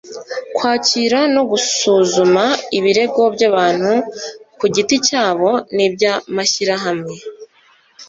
kwakira no gusuzuma ibirego by’abantu ku giti cyabo n’iby’amashyirahamwe,